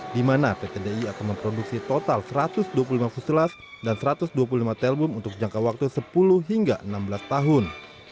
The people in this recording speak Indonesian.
di mana pt di akan memproduksi total satu ratus dua puluh lima fusilas dan satu ratus dua puluh lima telbum untuk jangka waktu sepuluh hingga enam belas tahun